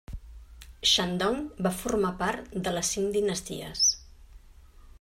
Shandong va formar part de les Cinc Dinasties.